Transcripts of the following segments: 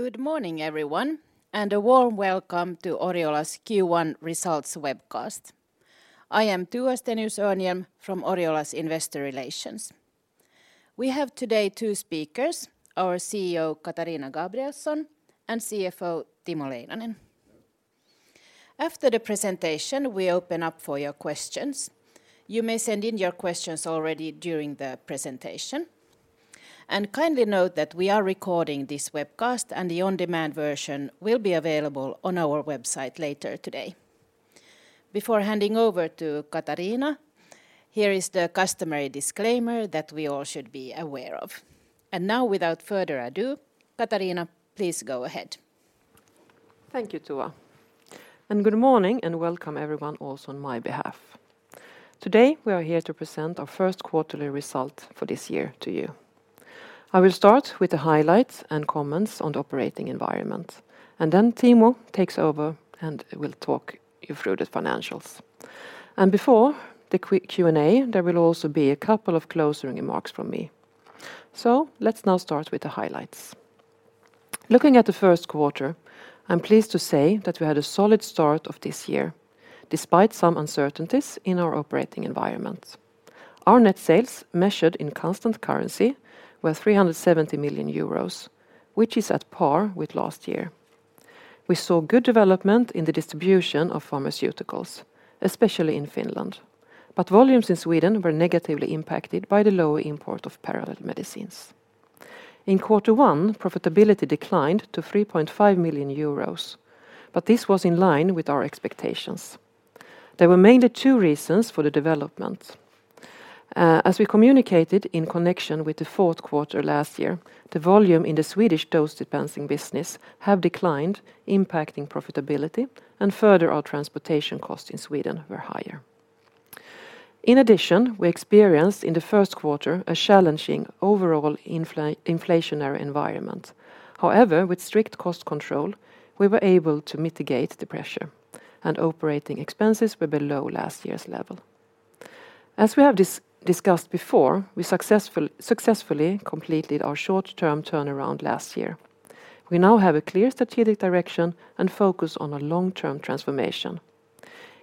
Good morning everyone, a warm welcome to Oriola's Q1 results webcast. I am Tua Stenius-Örnhjelm from Oriola's Investor Relations. We have today two speakers, our CEO, Katarina Gabrielson, and CFO, Timo Leinonen. After the presentation, we open up for your questions. You may send in your questions already during the presentation. Kindly note that we are recording this webcast, and the on-demand version will be available on our website later today. Before handing over to Katarina, here is the customary disclaimer that we all should be aware of. Now without further ado, Katarina, please go ahead. Thank you, Tua. Good morning, and welcome everyone also on my behalf. Today, we are here to present our first quarterly result for this year to you. I will start with the highlights and comments on the operating environment. Then Timo takes over and will talk you through the financials. Before the Q&A, there will also be a couple of closing remarks from me. Let's now start with the highlights. Looking at the first quarter, I'm pleased to say that we had a solid start of this year, despite some uncertainties in our operating environment. Our net sales measured in constant currency were 370 million euros, which is at par with last year. We saw good development in the distribution of pharmaceuticals, especially in Finland. Volumes in Sweden were negatively impacted by the low import of parallel-imported medicines. In quarter one, profitability declined to 3.5 million euros. This was in line with our expectations. There were mainly two reasons for the development. As we communicated in connection with the fourth quarter last year, the volume in the Swedish dose dispensing business have declined, impacting profitability. Further, our transportation costs in Sweden were higher. In addition, we experienced in the first quarter a challenging overall inflationary environment. However, with strict cost control, we were able to mitigate the pressure. Operating expenses were below last year's level. As we have discussed before, we successfully completed our short-term turnaround last year. We now have a clear strategic direction and focus on a long-term transformation.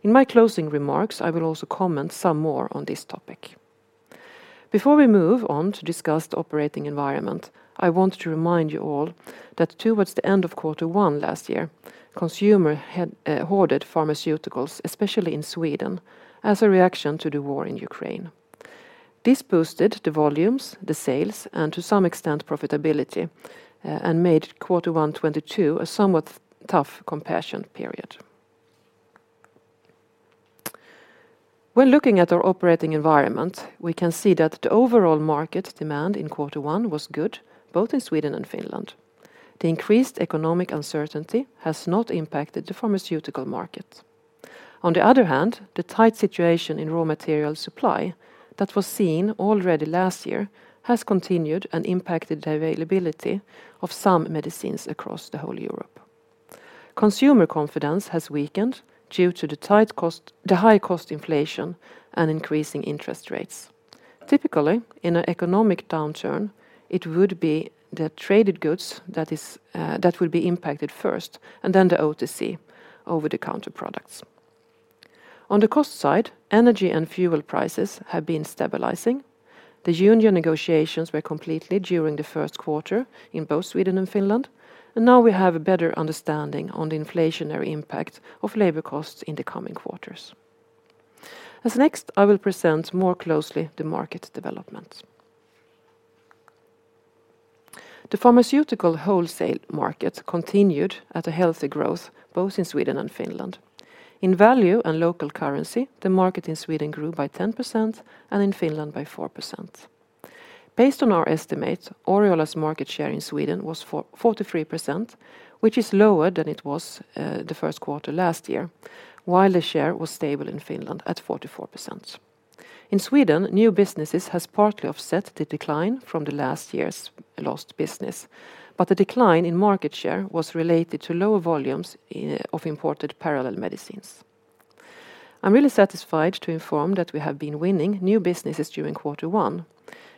In my closing remarks, I will also comment some more on this topic. Before we move on to discuss the operating environment, I want to remind you all that towards the end of quarter one last year, consumer had hoarded pharmaceuticals, especially in Sweden, as a reaction to the war in Ukraine. This boosted the volumes, the sales, and to some extent profitability, and made quarter one 2022 a somewhat tough comparison period. When looking at our operating environment, we can see that the overall market demand in quarter one was good both in Sweden and Finland. The increased economic uncertainty has not impacted the pharmaceutical market. On the other hand, the tight situation in raw material supply that was seen already last year has continued and impacted the availability of some medicines across the whole Europe. Consumer confidence has weakened due to the high cost inflation and increasing interest rates. Typically, in an economic downturn, it would be the traded goods that is, that would be impacted first, and then the OTC, over the counter products. On the cost side, energy and fuel prices have been stabilizing. The union negotiations were completed during the first quarter in both Sweden and Finland. Now we have a better understanding on the inflationary impact of labor costs in the coming quarters. As next, I will present more closely the market development. The pharmaceutical wholesale market continued at a healthy growth both in Sweden and Finland. In value and local currency, the market in Sweden grew by 10% and in Finland by 4%. Based on our estimates, Oriola's market share in Sweden was for 43%, which is lower than it was, the first quarter last year, while the share was stable in Finland at 44%. In Sweden, new businesses has partly offset the decline from the last year's lost business, but the decline in market share was related to lower volumes of imported parallel-imported medicines. I'm really satisfied to inform that we have been winning new businesses during quarter one.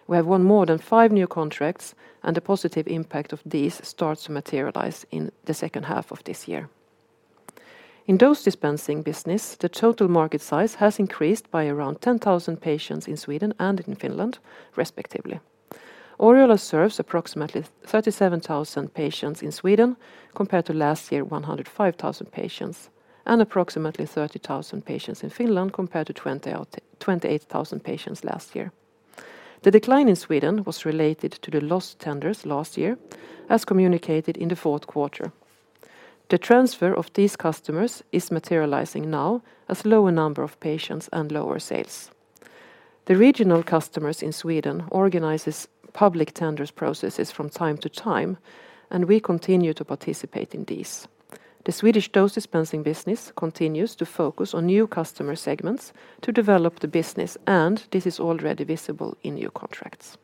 We have won more than five new contracts, and the positive impact of these starts to materialize in the second half of this year. In dose dispensing business, the total market size has increased by around 10,000 patients in Sweden and in Finland, respectively. Oriola serves approximately 37,000 patients in Sweden, compared to last year 105,000 patients, and approximately 30,000 patients in Finland, compared to 28,000 patients last year. The decline in Sweden was related to the lost tenders last year, as communicated in the fourth quarter. The transfer of these customers is materializing now as lower number of patients and lower sales. The regional customers in Sweden organizes public tenders processes from time to time. We continue to participate in these. The Swedish dose dispensing business continues to focus on new customer segments to develop the business. This is already visible in new contracts.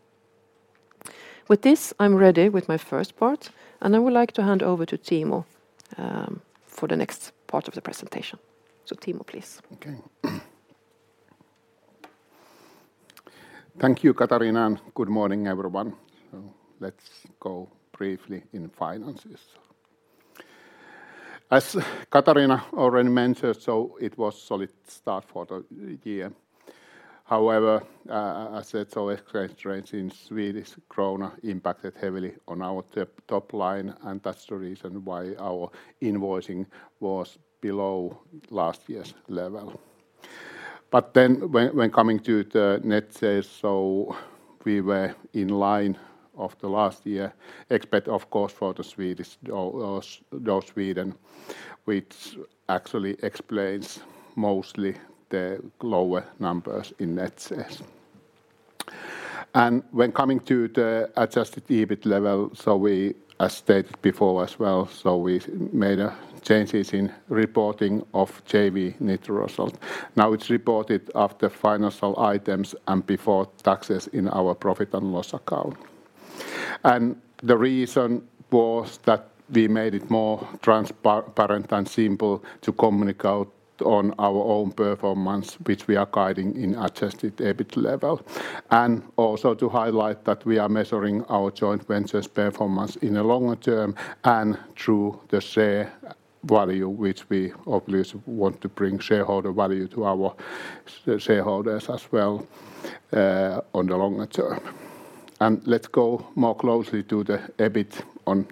With this, I'm ready with my first part, and I would like to hand over to Timo for the next part of the presentation. Timo, please. Okay. Thank you, Katarina, and good morning, everyone. Let's go briefly in finances. As Katarina already mentioned, it was solid start for the year. However, as said, exchange rates in Swedish krona impacted heavily on our top line, and that's the reason why our invoicing was below last year's level. When coming to the net sales, we were in line of the last year, except of course for the Swedish dose dispensing Sweden, which actually explains mostly the lower numbers in net sales. When coming to the adjusted EBIT level, we, as stated before as well, we made changes in reporting of JV net result. Now it's reported after financial items and before taxes in our profit and loss account. The reason was that we made it more transparent and simple to communicate on our own performance, which we are guiding in adjusted EBIT level. Also to highlight that we are measuring our joint venture's performance in the longer term and through the share value, which we obviously want to bring shareholder value to our shareholders as well, on the longer term. Let's go more closely to the EBIT on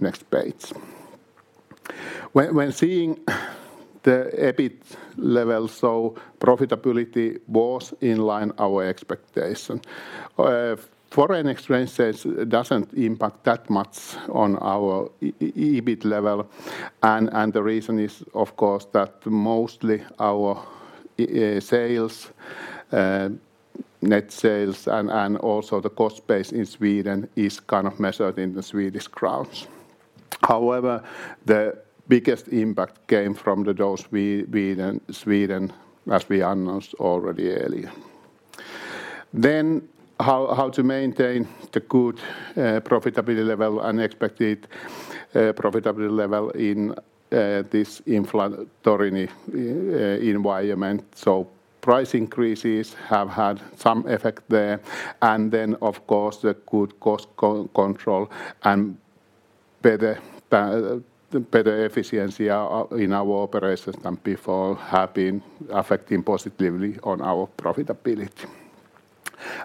next page. When seeing the EBIT level, profitability was in line our expectation. Foreign exchange rates doesn't impact that much on our EBIT level and the reason is of course that mostly our sales, net sales and also the cost base in Sweden is kind of measured in the Swedish crowns. However, the biggest impact came from the dose Sweden, as we announced already earlier. How to maintain the good profitability level and expected profitability level in this inflationary environment. Price increases have had some effect there. Of course the good cost control and better efficiency in our operations than before have been affecting positively on our profitability.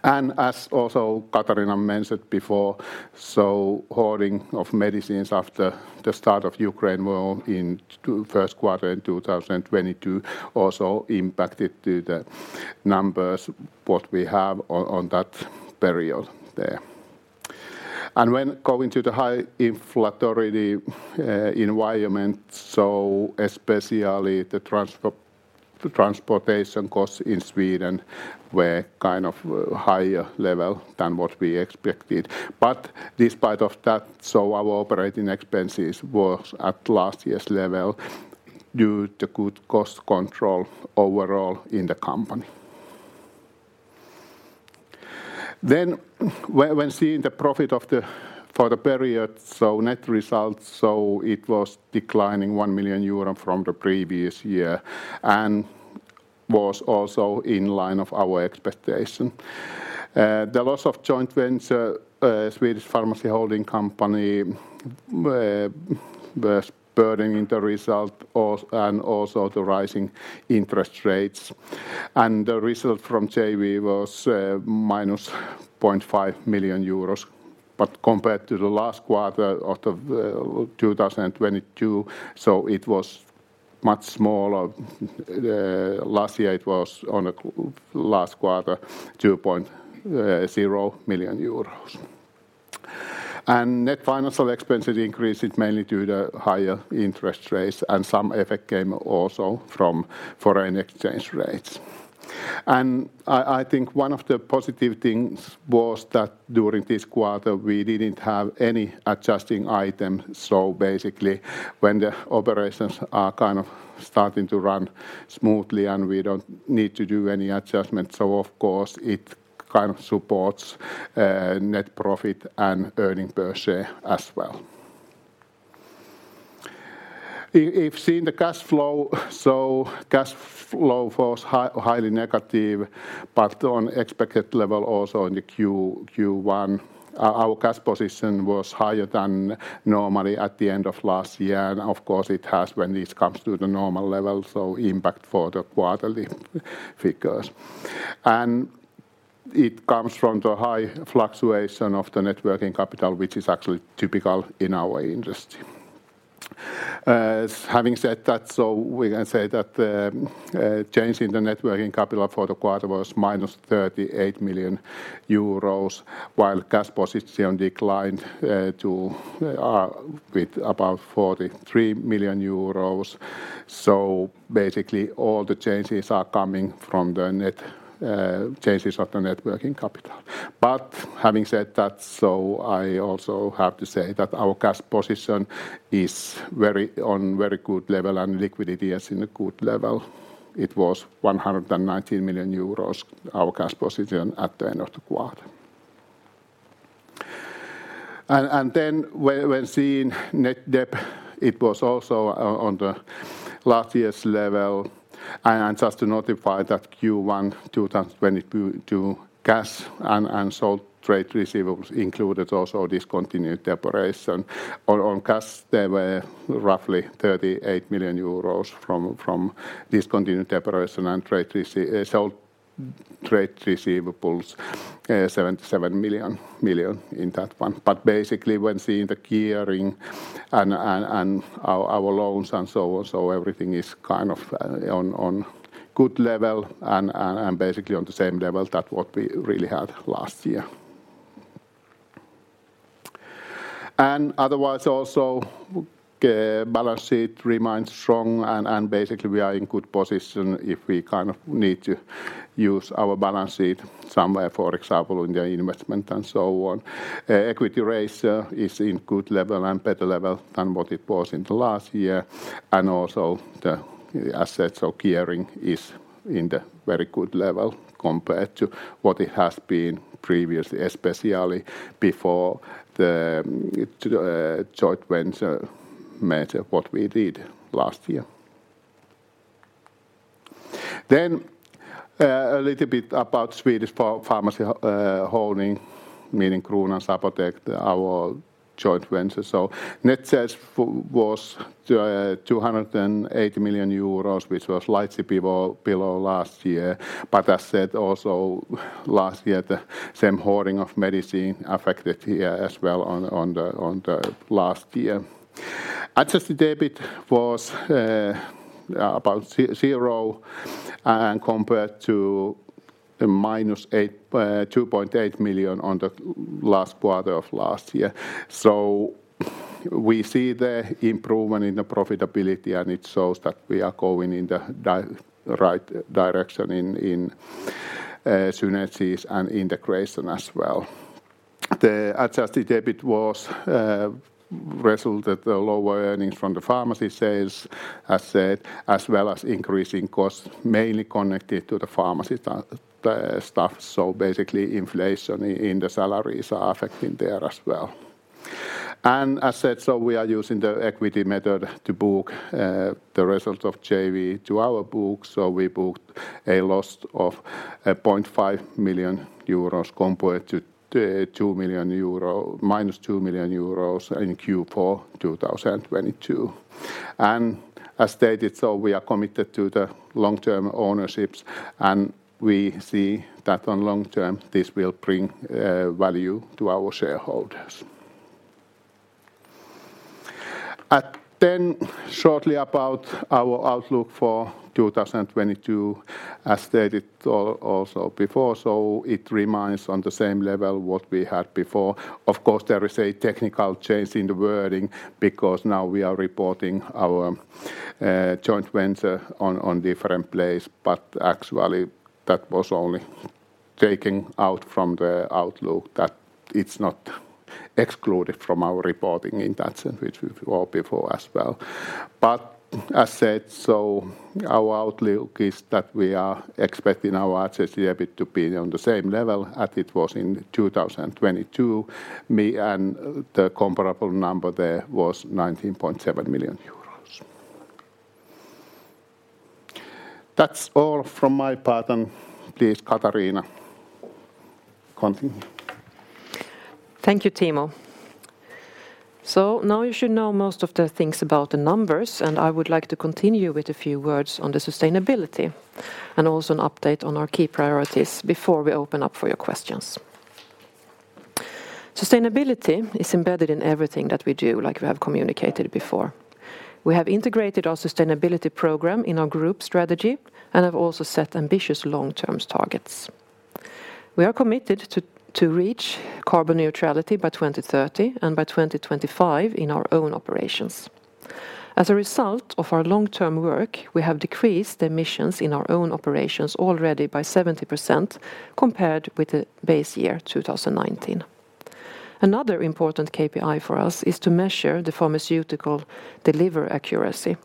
As also Katarina mentioned before, hoarding of medicines after the start of Ukraine War in first quarter in 2022 also impacted to the numbers, what we have on that period there. When going to the high inflationary environment, especially the transportation costs in Sweden were kind of higher level than what we expected. Despite of that, our operating expenses was at last year's level due to good cost control overall in the company. When seeing the profit of the, for the period, net results, it was declining 1 million euro from the previous year and was also in line of our expectation. The loss of joint venture, Swedish Pharmacy Holding AB, was burdening the result and also the rising interest rates. The result from JV was -0.5 million euros. Compared to the last quarter of 2022, it was much smaller. Last year it was on last quarter, 2.0 million euros. Net financial expenses increased mainly due to higher interest rates and some effect came also from foreign exchange rates. I think one of the positive things was that during this quarter we didn't have any adjusting item. Basically when the operations are kind of starting to run smoothly and we don't need to do any adjustments, so of course it kind of supports net profit and earning per share as well. If seeing the cash flow, cash flow was highly negative, but on expected level also in the Q1. Our cash position was higher than normally at the end of last year, and of course it has when this comes to the normal level, so impact for the quarterly figures. It comes from the high fluctuation of the net working capital, which is actually typical in our industry. Having said that, we can say that the change in the net working capital for the quarter was minus 38 million euros, while cash position declined to with about 43 million euros. Basically all the changes are coming from the net changes of the net working capital. Having said that, I also have to say that our cash position is very, on very good level and liquidity is in a good level. It was 119 million euros, our cash position, at the end of the quarter. Then when seeing net debt, it was also on the last year's level. Just to notify that Q1 2022 cash and trade receivables included also discontinued the operation. On cash there were roughly 38 million euros from discontinued the operation and sold trade receivables, 77 million in that one. Basically when seeing the gearing and our loans and so on, so everything is kind of on good level and basically on the same level that what we really had last year. Otherwise also balance sheet remains strong and basically we are in good position if we kind of need to use our balance sheet somewhere, for example, in the investment and so on. Equity raise is in good level and better level than what it was in the last year. Also the assets or gearing is in the very good level compared to what it has been previously, especially before the joint venture merger, what we did last year. A little bit about Swedish Pharmacy Holding, meaning Kronans Apotek, our joint venture. Net sales was 280 million euros, which was slightly below last year. As said also, last year the same hoarding of medicine affected here as well on the last year. adjusted EBIT was about zero, and compared to the -2.8 million on the last quarter of last year. We see the improvement in the profitability, and it shows that we are going in the right direction in synergies and integration as well. The adjusted EBIT was a result of the lower earnings from the pharmacy sales, as said, as well as increasing costs mainly connected to the pharmacy stuff. Basically inflation in the salaries are affecting there as well. As said, we are using the equity method to book the results of JV to our books. We booked a loss of 0.5 million euros compared to -2 million euros in Q4 2022. As stated, we are committed to the long-term ownerships, and we see that on long term this will bring value to our shareholders. Shortly about our outlook for 2022. As stated also before, it remains on the same level what we had before. Of course, there is a technical change in the wording because now we are reporting our joint venture on different place, but actually that was only taking out from the outlook that it's not excluded from our reporting in that sense, which we've all before as well. As said, our outlook is that we are expecting our adjusted EBIT to be on the same level as it was in 2022, and the comparable number there was 19.7 million euros. That's all from my part, and please, Katarina, continue. Thank you, Timo. Now you should know most of the things about the numbers, and I would like to continue with a few words on the sustainability and also an update on our key priorities before we open up for your questions. Sustainability is embedded in everything that we do, like we have communicated before. We have integrated our sustainability program in our group strategy and have also set ambitious long-term targets. We are committed to reach carbon neutrality by 2030 and by 2025 in our own operations. As a result of our long-term work, we have decreased emissions in our own operations already by 70% compared with the base year 2019. Another important KPI for us is to measure the pharmaceutical delivery accuracy,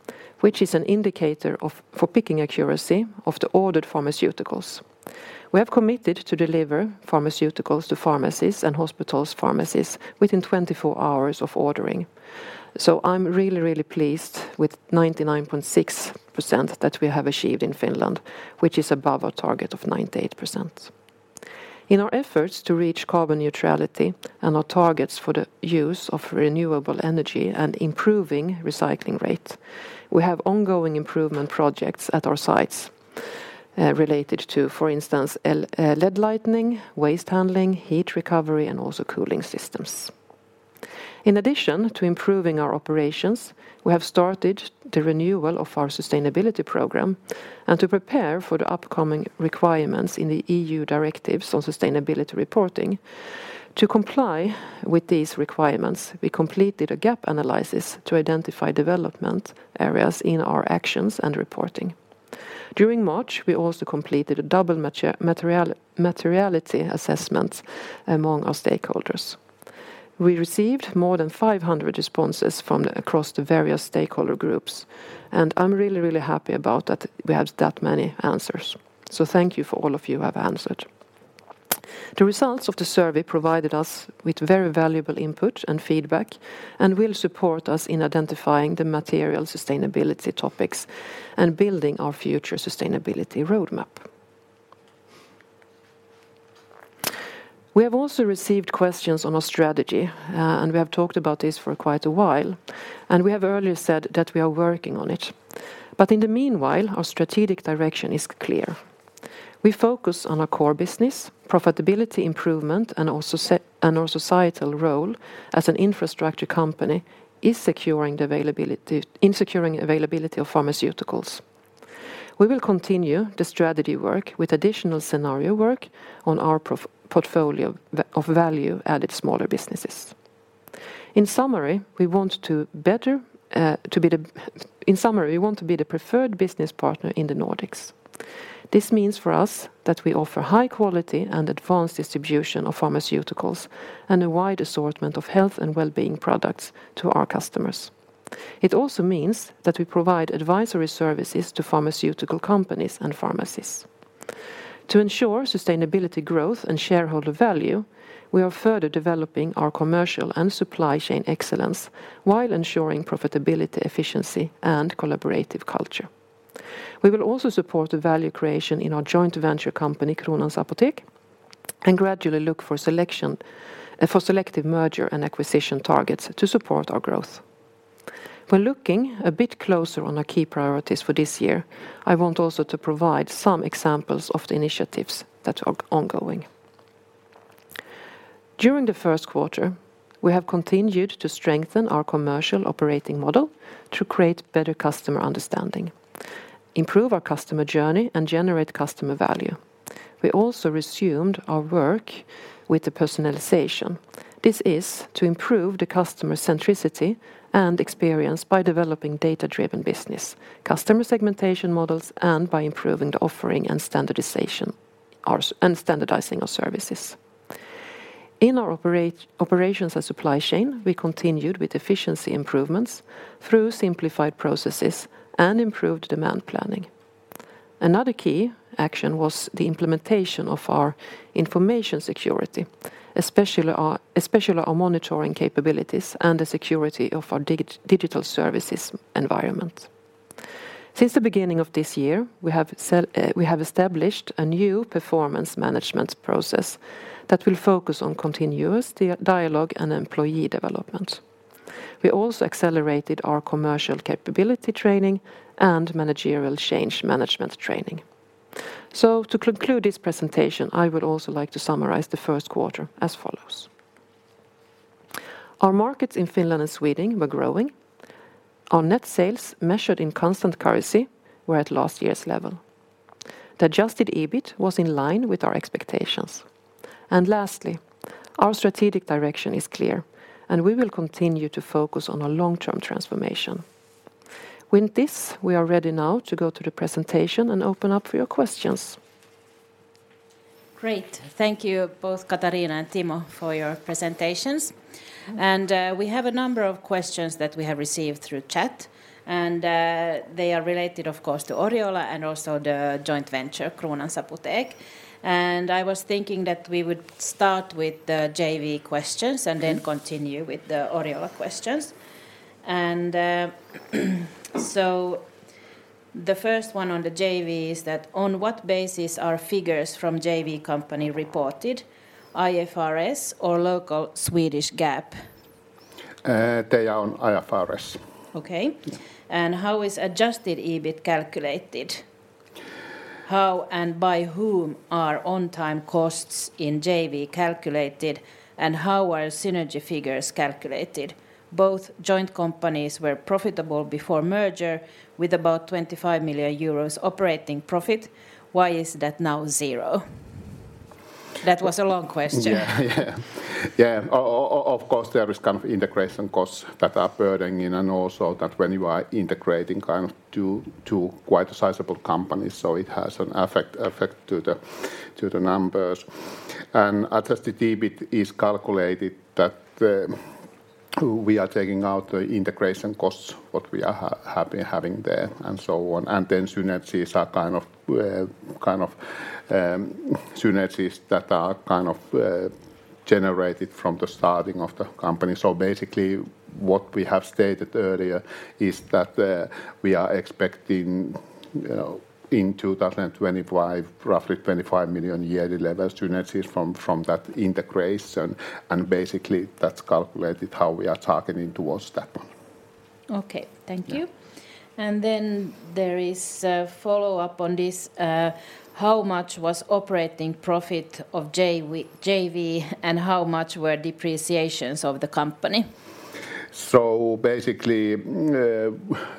which is an indicator for picking accuracy of the ordered pharmaceuticals. We have committed to deliver pharmaceuticals to pharmacies and hospitals pharmacies within 24 hours of ordering. I'm really, really pleased with 99.6% that we have achieved in Finland, which is above our target of 98%. In our efforts to reach carbon neutrality and our targets for the use of renewable energy and improving recycling rate, we have ongoing improvement projects at our sites related to, for instance, LED lighting, waste handling, heat recovery, and also cooling systems. In addition to improving our operations, we have started the renewal of our sustainability program and to prepare for the upcoming requirements in the EU directives on sustainability reporting. To comply with these requirements, we completed a gap analysis to identify development areas in our actions and reporting. During March, we also completed a double materiality assessment among our stakeholders. We received more than 500 responses from the... across the various stakeholder groups. I'm really happy about that we have that many answers. Thank you for all of you who have answered. The results of the survey provided us with very valuable input and feedback, will support us in identifying the material sustainability topics and building our future sustainability roadmap. We have also received questions on our strategy. We have talked about this for quite a while. We have earlier said that we are working on it. In the meanwhile, our strategic direction is clear. We focus on our core business, profitability improvement, and also and our societal role as an infrastructure company is securing availability of pharmaceuticals. We will continue the strategy work with additional scenario work on our portfolio of value added smaller businesses. In summary, we want to be the preferred business partner in the Nordics. This means for us that we offer high quality and advanced distribution of pharmaceuticals and a wide assortment of health and wellbeing products to our customers. It also means that we provide advisory services to pharmaceutical companies and pharmacies. To ensure sustainability growth and shareholder value, we are further developing our commercial and supply chain excellence while ensuring profitability, efficiency, and collaborative culture. We will also support the value creation in our joint venture company, Kronans Apotek, and gradually look for selection for selective merger and acquisition targets to support our growth. When looking a bit closer on our key priorities for this year, I want also to provide some examples of the initiatives that are ongoing. During the first quarter, we have continued to strengthen our commercial operating model to create better customer understanding, improve our customer journey, and generate customer value. We also resumed our work with the personalization. This is to improve the customer centricity and experience by developing data-driven business, customer segmentation models, and by improving the offering and standardizing our services. In our operations and supply chain, we continued with efficiency improvements through simplified processes and improved demand planning. Another key action was the implementation of our information security, especially our monitoring capabilities and the security of our digital services environment. Since the beginning of this year, we have established a new performance management process that will focus on continuous dialogue and employee development. We also accelerated our commercial capability training and managerial change management training. To conclude this presentation, I would also like to summarize the 1st quarter as follows. Our markets in Finland and Sweden were growing. Our net sales measured in constant currency were at last year's level. The adjusted EBIT was in line with our expectations. Lastly, our strategic direction is clear, and we will continue to focus on our long-term transformation. With this, we are ready now to go to the presentation and open up for your questions. Great. Thank you both Katarina and Timo for your presentations. We have a number of questions that we have received through chat, they are related of course to Oriola and also the joint venture, Kronans Apotek. I was thinking that we would start with the JV questions and then continue with the Oriola questions. The first one on the JV is that on what basis are figures from JV company reported, IFRS or local Swedish GAAP? They are on IFRS. Okay. How is adjusted EBIT calculated? How and by whom are on-time costs in JV calculated, and how are synergy figures calculated? Both joint companies were profitable before merger with about 25 million euros operating profit. Why is that now zero? That was a long question. Yeah. Yeah. Of course, there is kind of integration costs that are burdening and also that when you are integrating kind of two quite sizable companies, it has an effect to the numbers. adjusted EBIT is calculated that we are taking out the integration costs, what we have been having there and so on. Synergies are kind of synergies that are generated from the starting of the company. Basically what we have stated earlier is that we are expecting in 2025 roughly 25 million yearly level synergies from that integration, basically that's calculated how we are targeting towards that one. Okay. Thank you. Yeah. There is a follow-up on this. How much was operating profit of JV and how much were depreciations of the company? Basically,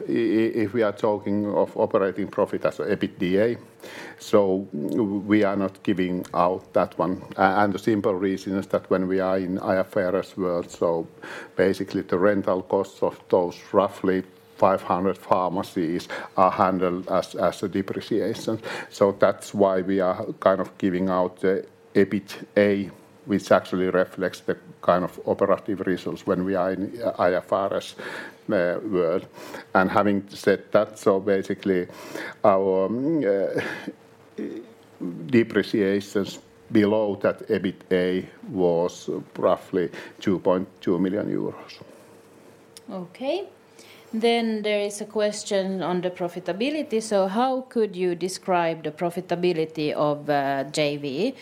if we are talking of operating profit as a EBITDA, we are not giving out that one. The simple reason is that when we are in IFRS world, basically the rental costs of those roughly 500 pharmacies are handled as a depreciation. That's why we are kind of giving out the EBITA, which actually reflects the kind of operative results when we are in IFRS world. Having said that, basically our depreciations below that EBITA was roughly EUR 2.2 million. Okay. There is a question on the profitability. How could you describe the profitability of JV?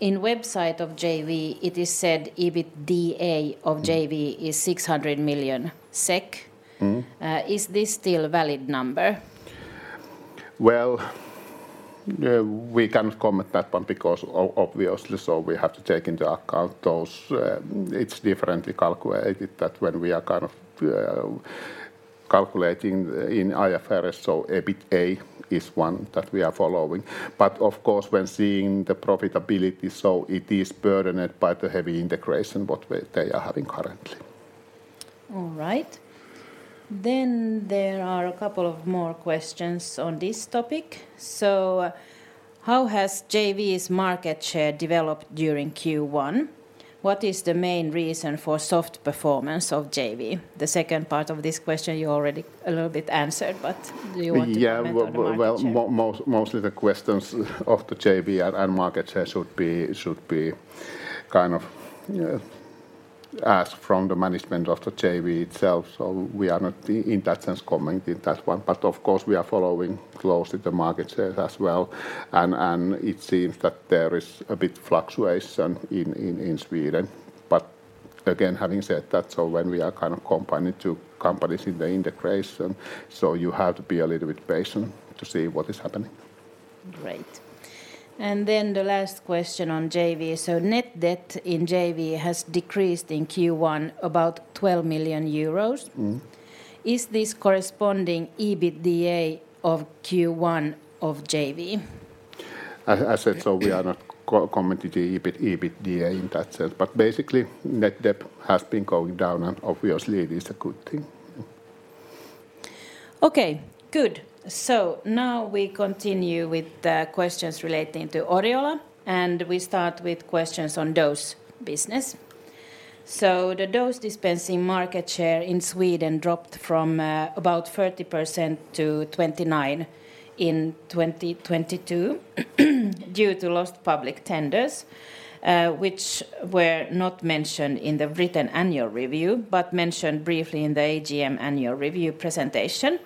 In website of JV it is said EBITDA- Mm... Of JV is 600 million SEK. Mm. Is this still valid number? We can't comment that one because obviously so we have to take into account those, it's differently calculated that when we are kind of, calculating in IFRS, so EBITA is one that we are following. Of course, when seeing the profitability, so it is burdened by the heavy integration what they are having currently. All right. There are a couple of more questions on this topic. How has JV's market share developed during Q1? What is the main reason for soft performance of JV? The second part of this question you already a little bit answered, but do you want to comment on the market share? Mostly the questions of the JV and market share should be kind of asked from the management of the JV itself, we are not in that sense commenting that one. Of course we are following closely the market shares as well and it seems that there is a bit fluctuation in Sweden. Again, having said that, when we are kind of combining two companies in the integration, you have to be a little bit patient to see what is happening. Great. Then the last question on JV. Net debt in JV has decreased in Q1 about 12 million euros. Mm. Is this corresponding EBITDA of Q1 of JV? Said, we are not commenting the EBIT, EBITDA in that sense. Basically net debt has been going down and obviously it is a good thing. Good. Now we continue with the questions relating to Oriola, and we start with questions on dose business. The dose dispensing market share in Sweden dropped from about 30% to 29% in 2022 due to lost public tenders, which were not mentioned in the written annual review, but mentioned briefly in the AGM annual review presentation.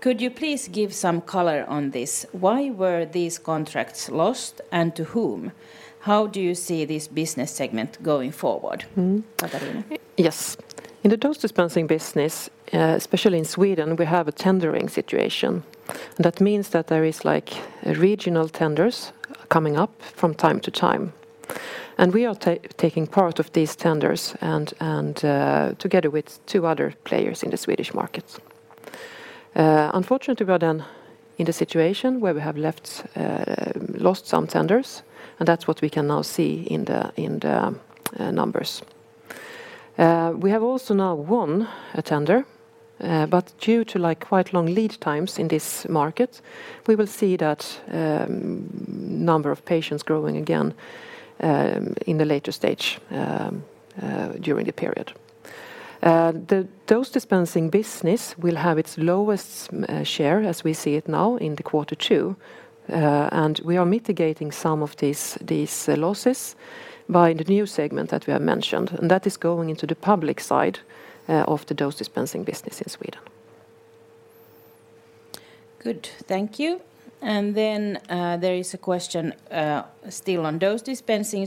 Could you please give some color on this? Why were these contracts lost and to whom? How do you see this business segment going forward? Mm. Katarina? Yes. In the dose dispensing business, especially in Sweden, we have a tendering situation. That means that there is like regional tenders coming up from time to time. We are taking part of these tenders and together with two other players in the Swedish markets. Unfortunately, we are then in the situation where we have left, lost some tenders. That's what we can now see in the numbers. We have also now won a tender. Due to like quite long lead times in this market, we will see that number of patients growing again in the later stage during the period. The dose dispensing business will have its lowest share as we see it now in the quarter two. We are mitigating some of these losses by the new segment that we have mentioned, and that is going into the public side of the dose dispensing business in Sweden. Good. Thank you. There is a question, still on dose dispensing.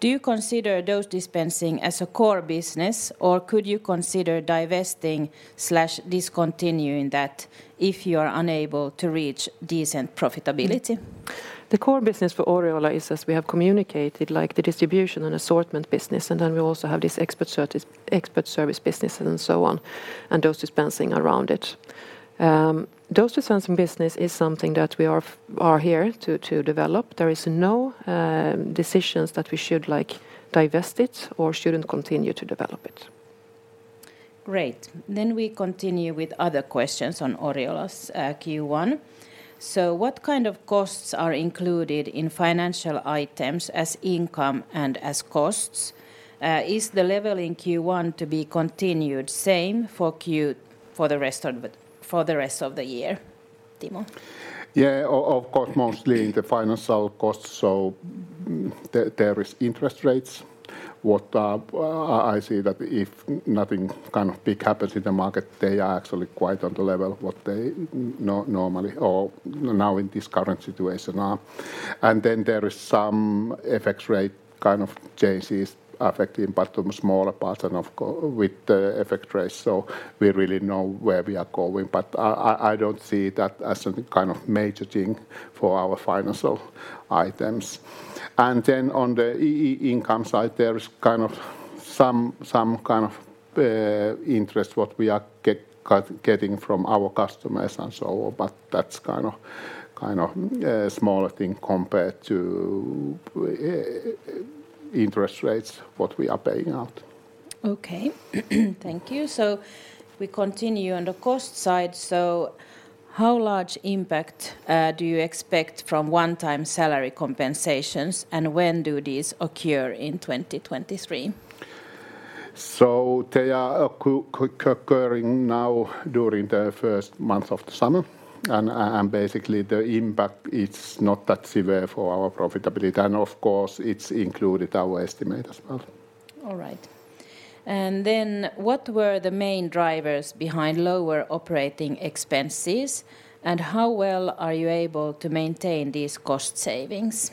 Do you consider dose dispensing as a core business, or could you consider divesting/discontinuing that if you are unable to reach decent profitability? The core business for Oriola is, as we have communicated, like the distribution and assortment business, and then we also have this expert service business and so on, and dose dispensing around it. Dose dispensing business is something that we are here to develop. There is no decisions that we should like divest it or shouldn't continue to develop it. Great. We continue with other questions on Oriola's Q1. What kind of costs are included in financial items as income and as costs? Is the level in Q1 to be continued same for the rest of the year? Timo? Of course, mostly the financial costs, there is interest rates. What I see that if nothing kind of big happens in the market, they are actually quite on the level what they normally or now in this current situation are. There is some FX rate kind of changes affecting, but smaller part and of course with the FX rates, we really know where we are going. I don't see that as a kind of major thing for our financial items. On the income side, there is kind of some kind of interest what we are getting from our customers and so on, but that's kind of smaller thing compared to interest rates what we are paying out. Okay. Thank you. We continue on the cost side. How large impact do you expect from one-time salary compensations, and when do these occur in 2023? They are occurring now during the first month of the summer. Basically, the impact, it's not that severe for our profitability. Of course, it's included our estimate as well. All right. What were the main drivers behind lower operating expenses, and how well are you able to maintain these cost savings?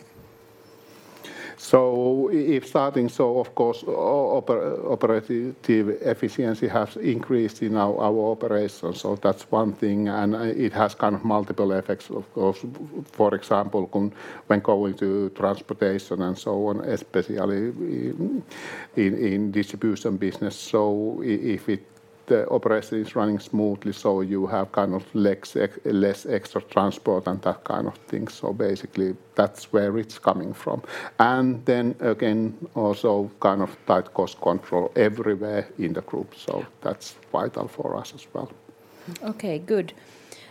If starting, of course, operative efficiency has increased in our operations, that's one thing. It has kind of multiple effects of course, for example, when going to transportation and so on, especially in distribution business. If the operation is running smoothly, you have kind of less extra transport and that kind of thing. Basically, that's where it's coming from. Then again, also kind of tight cost control everywhere in the group. Yeah. That's vital for us as well. Okay. Good.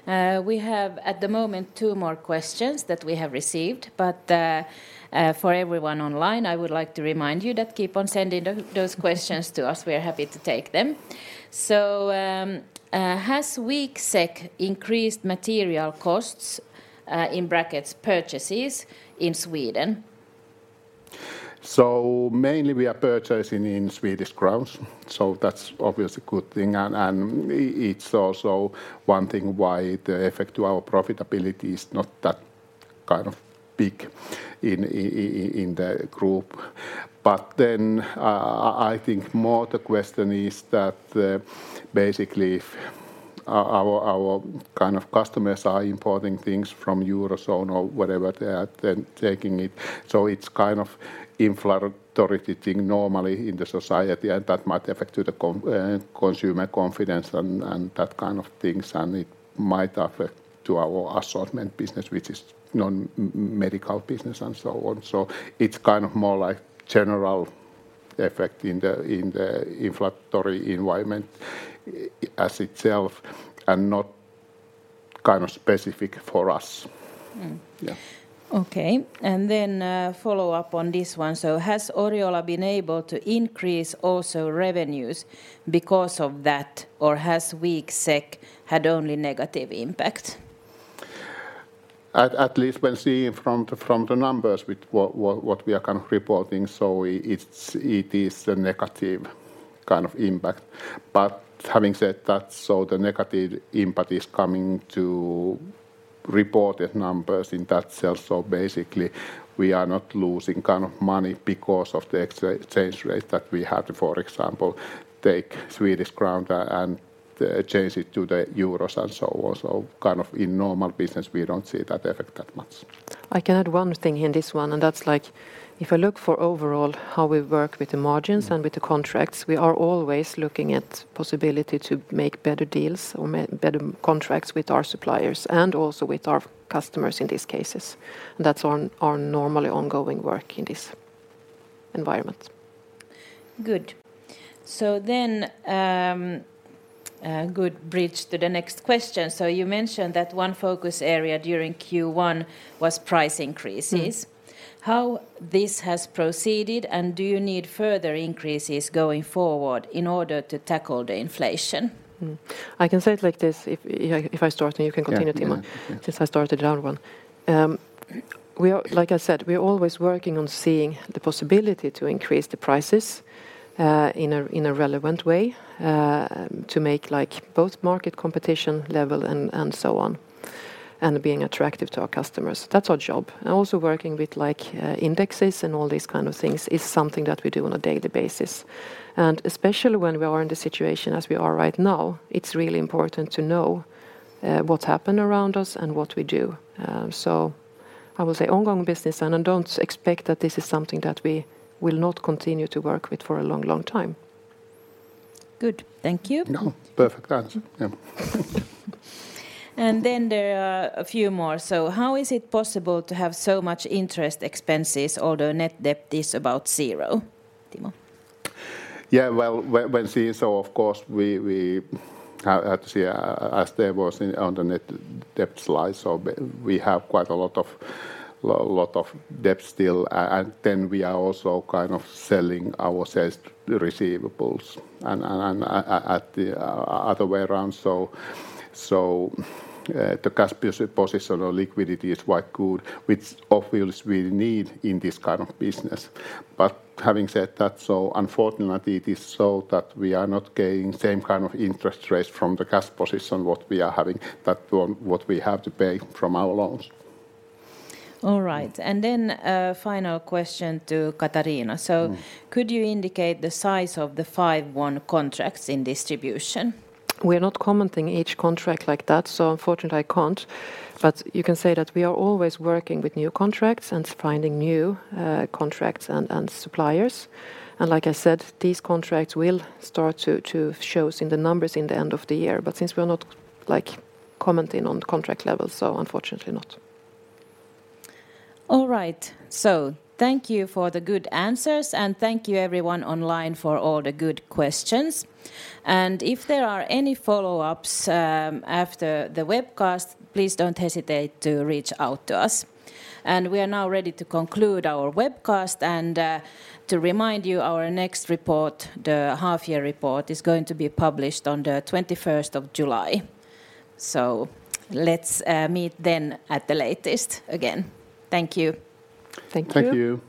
We have, at the moment, two more questions that we have received, but for everyone online, I would like to remind you that keep on sending those questions to us. We are happy to take them. Has weak SEK increased material costs in brackets purchases in Sweden? Mainly, we are purchasing in Swedish crowns, so that's obviously a good thing. It's also one thing why the effect to our profitability is not that kind of big in the group. I think more the question is that basically if our kind of customers are importing things from Eurozone or whatever they are, they're taking it. It's kind of inflammatory thing normally in the society, and that might affect to the consumer confidence and that kind of things, and it might affect to our assortment business, which is non-medical business and so on. It's kind of more like general effect in the inflammatory environment as itself and not kind of specific for us. Mm. Yeah. Okay. Follow up on this one. Has Oriola been able to increase also revenues because of that, or has weak SEK had only negative impact? At least when seeing from the numbers with what we are kind of reporting, it is a negative kind of impact. Having said that, the negative impact is coming to reported numbers in that sense. Basically, we are not losing kind of money because of the exchange rate that we had, for example, take Swedish crown and the change it to the euros and so on. Kind of in normal business, we don't see that effect that much. I can add one thing in this one, and that's like if I look for overall how we work with the margins... Mm... And with the contracts, we are always looking at possibility to make better deals or better contracts with our suppliers and also with our customers in these cases. That's our normally ongoing work in this environment. Good. A good bridge to the next question. You mentioned that one focus area during Q1 was price increases. Mm. How this has proceeded, and do you need further increases going forward in order to tackle the inflation? I can say it like this. If I start, you can continue Timo. Yeah. Yeah. Since I started the other one. Like I said, we are always working on seeing the possibility to increase the prices in a relevant way, to make, like, both market competition level and so on, and being attractive to our customers. That's our job. Also working with, like, indexes and all these kind of things is something that we do on a daily basis. Especially when we are in the situation as we are right now, it's really important to know what's happened around us and what we do. I will say ongoing business, and I don't expect that this is something that we will not continue to work with for a long, long time. Good. Thank you. No. Perfect answer. Yeah. There are a few more. How is it possible to have so much interest expenses although net debt is about zero? Timo. Well, when seeing, of course we had to see as there was on the net debt slide, we have quite a lot of debt still. Then we are also kind of selling our sales receivables and at the other way around. The cash position or liquidity is quite good, which obviously we need in this kind of business. Having said that, unfortunately it is so that we are not getting same kind of interest rates from the cash position what we are having that, what we have to pay from our loans. All right. Mm. A final question to Katarina. Mm. Could you indicate the size of the 51 contracts in distribution? We're not commenting each contract like that, so unfortunately I can't. You can say that we are always working with new contracts and finding new contracts and suppliers. Like I said, these contracts will start to show us in the numbers in the end of the year. Since we are not, like, commenting on contract level, so unfortunately not. All right. Thank you for the good answers. Thank you everyone online for all the good questions. If there are any follow-ups after the webcast, please don't hesitate to reach out to us. We are now ready to conclude our webcast to remind you our next report, the half-year report, is going to be published on the 21st of July. Let's meet then at the latest again. Thank you. Thank you. Thank you.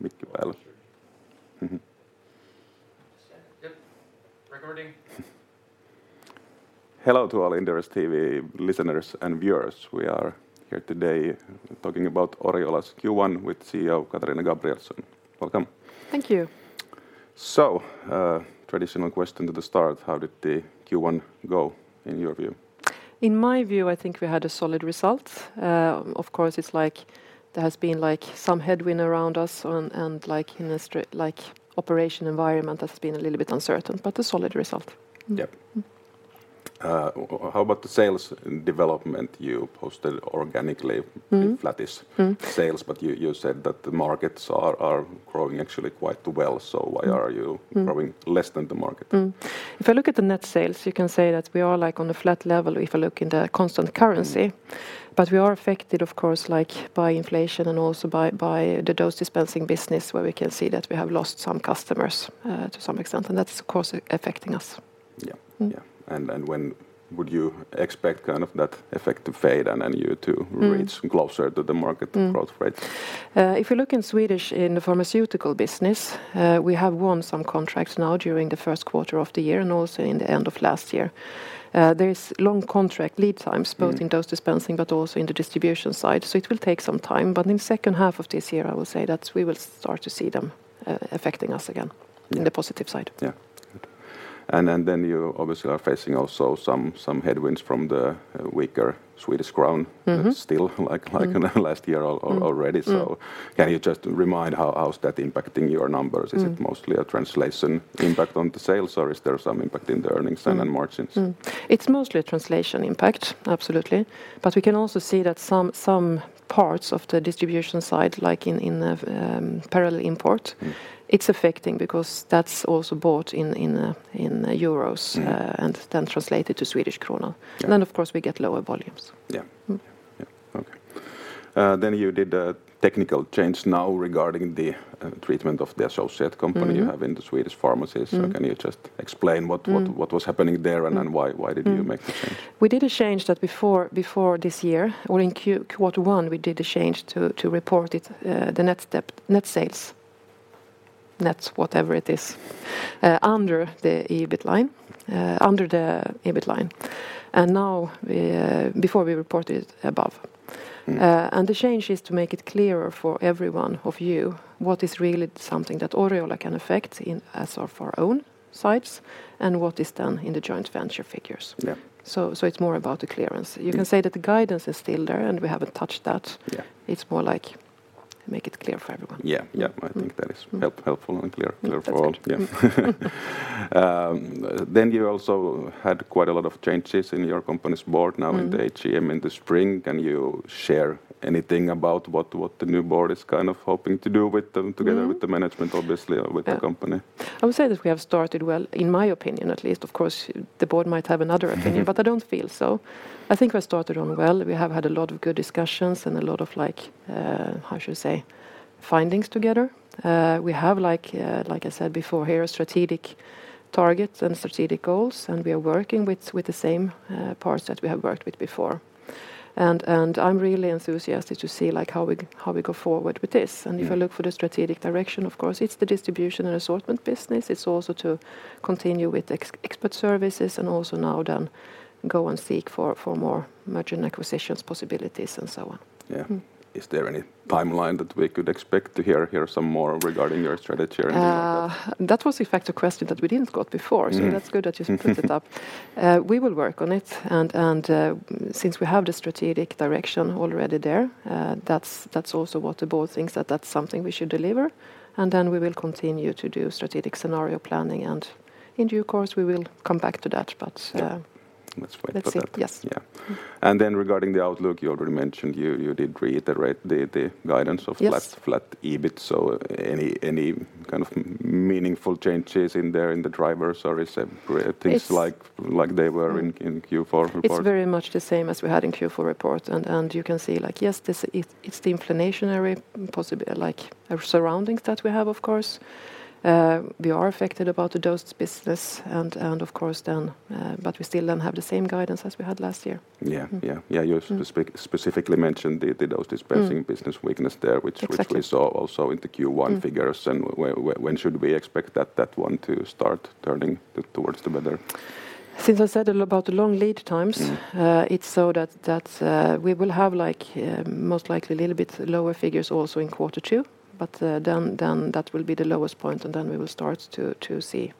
Mickey Mouse. Yep. Recording. Hello to all Inderes TV listeners and viewers. We are here today talking about Oriola's Q1 with CEO Katarina Gabrielson. Welcome. Thank you. Traditional question to start, how did the Q1 go in your view? In my view, I think we had a solid result. Of course, it's like there has been, like, some headwind around us and like in an operation environment has been a little bit uncertain, but a solid result. Yep. Mm. How about the sales and development you posted organically? Mm... Flattish- Mm... Sales, but you said that the markets are growing actually quite well, so why are you... Mm... Growing less than the market? If you look at the net sales, you can say that we are, like, on a flat level if you look in the constant currency. Mm. We are affected of course, like, by inflation and also by the dose dispensing business where we can see that we have lost some customers, to some extent, and that's of course affecting us. Yeah. Mm. Yeah. When would you expect kind of that effect to fade and then you to- Mm... Reach closer to the market growth rate? If you look in Swedish in the pharmaceutical business, we have won some contracts now during the first quarter of the year and also in the end of last year. There is long contract lead times. Mm... Both in dose dispensing but also in the distribution side, so it will take some time, but in second half of this year, I will say that we will start to see them, affecting us again. Yeah... In the positive side. Yeah. Good. You obviously are facing also some headwinds from the weaker Swedish krona. Mm-hmm. still, like Mm. Mm Last year already. Mm. Mm Can you just remind how's that impacting your numbers? Mm. Is it mostly a translation impact on the sales, or is there some impact in the earnings then and margins? It's mostly a translation impact, absolutely. We can also see that some parts of the distribution side, like in the. Mm... It's affecting because that's also bought in, in euros. Mm... Then translated to Swedish krona. Yeah. Of course, we get lower volumes. Yeah. Mm. Yeah. Okay. You did a technical change now regarding the treatment of the associate company. Mm-hmm... You have in the Swedish pharmacies. Mm. Can you just explain what was happening there, and why did you make the change? We did a change that before this year or in quarter one, we did a change to report it, the net sales, net whatever it is, under the EBIT line. Now. Before we reported above. Mm. The change is to make it clearer for every one of you what is really something that Oriola can affect in as of our own sides and what is done in the joint venture figures. Yeah. It's more about the clearance. Mm. You can say that the guidance is still there, and we haven't touched that. Yeah. It's more like make it clear for everyone. Yeah, yeah. Mm. I think that is helpful and clear for all. That's good. You also had quite a lot of changes in your company's board now. Mm... In the AGM in the spring. Can you share anything about what the new board is kind of hoping to do with them? Mm With the management obviously or with the company? Yeah. I would say that we have started well, in my opinion at least. Of course, the board might have another opinion. I don't feel so. I think we started on well. We have had a lot of good discussions and a lot of like, how should I say, findings together. We have, like I said before here, strategic targets and strategic goals. We are working with the same parts that we have worked with before. I'm really enthusiastic to see, like, how we go forward with this. Yeah. If I look for the strategic direction, of course, it's the distribution and assortment business. It's also to continue with expert services and also now then go and seek for more merger and acquisitions possibilities and so on. Yeah. Mm. Is there any timeline that we could expect to hear some more regarding your strategy or anything like that? That was in fact a question that we didn't got before. Mm.... That's good that you've brought it up. We will work on it, and since we have the strategic direction already there, that's also what the board thinks that that's something we should deliver, and then we will continue to do strategic scenario planning, and in due course we will come back to that, but. Yeah. Let's wait for that. Let's see. Yes. Yeah. Mm. Regarding the outlook, you already mentioned you did reiterate the guidance of flat. Yes... Flat EBIT, any kind of meaningful changes in there in the drivers or is everything? It's-... Like they were in Q4 report? It's very much the same as we had in Q4 report and you can see, like, yes, this, it's the inflationary like surroundings that we have, of course. We are affected about the dose business and of course then. We still don't have the same guidance as we had last year. Yeah. Mm. Yeah. Mm. Yeah, you specifically mentioned the dose dispensing. Mm... Business weakness there, which. Exactly... We saw also in the Q1 figures. Mm. When should we expect that one to start turning towards the better? Since I said about the long lead times. Yeah... It's so that, we will have like, most likely a little bit lower figures also in quarter 2, but then that will be the lowest point and then we will start to see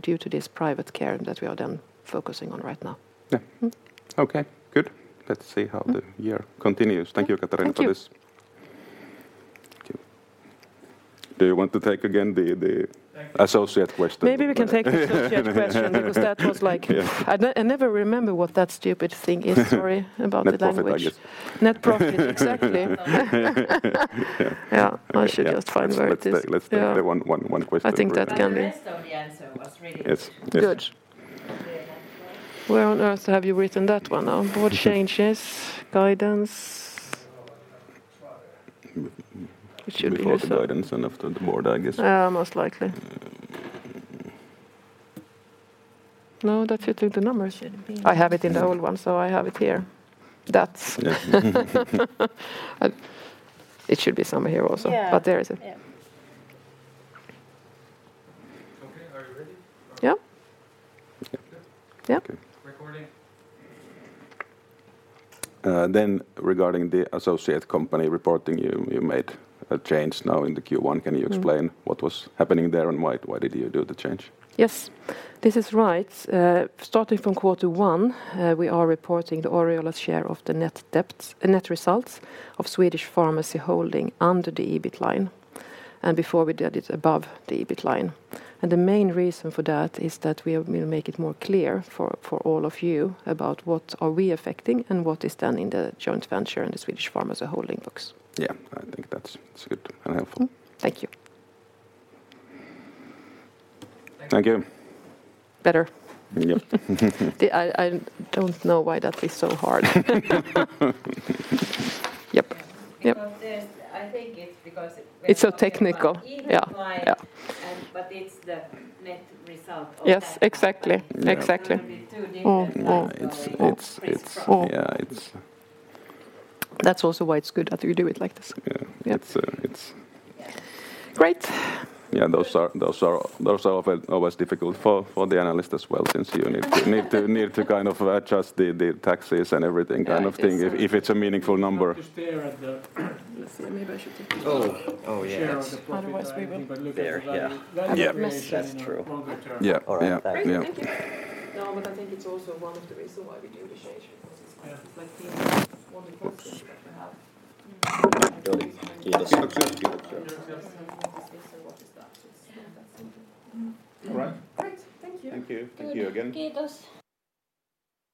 due to this private care that we are then focusing on right now. Yeah. Mm-hmm. Okay, good. Let's see. Mm The year continues. Yeah. Thank you, Catherine, for this. Thank you. Thank you. Do you want to take again the associate question? Maybe we can take the associate question because that was. Yeah. I never remember what that stupid thing is. Sorry about the language. Net profit, I guess. Net profit, exactly. Yeah. I should just find where it is. Let's take the one question. I think that can be. The rest of the answer was really good. Yes. Yes. Good. Where on earth have you written that one? On board changes, guidance. It should be here somewhere. Before the guidance and after the board, I guess. Yeah. Most likely. No, that should be the numbers. Should be. I have it in the old one, so I have it here. That's... Yeah. It should be somewhere here also. Yeah. There is it. Yeah. Okay. Are you ready? Yeah. Yeah. Good. Yeah. Okay. Recording. Regarding the associate company reporting, you made a change now in the Q1. Mm. Can you explain what was happening there, and why did you do the change? Yes. This is right. Starting from Q1, we are reporting the Oriola's share of the net results of Swedish Pharmacy Holding under the EBIT line. Before we did it above the EBIT line. The main reason for that is that we'll make it more clear for all of you about what are we affecting and what is done in the joint venture in the Swedish Pharmacy Holding books. Yeah. I think that's, it's good and helpful. Thank you. Thank you. Thank you. Better? Yeah. I don't know why that is so hard. Yep. Yep. I think it's because. It's so technical. Yeah. Yeah.... But it's the net result of that. Yes, exactly. Yeah. Exactly. A little bit too detailed. It's. Yeah. That's also why it's good that you do it like this. Yeah. Yeah. It's. Great. Those are always difficult for the analyst as well since you need to kind of adjust the taxes and everything. Yeah. It's. If it's a meaningful number. You have to stare at. Let's see. Maybe I should take this off. Share of the profit. Otherwise we Look at the value. Have a message. That's true. Yeah. Or longer term. Yeah. Yeah. All right. Thanks. Great. Thank you. I think it's also one of the reason why we do the change because it's like all right. Great. Thank you. Thank you. Thank you again. Kiitos.